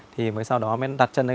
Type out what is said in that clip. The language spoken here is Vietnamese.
thì mới sau đó mới đặt chân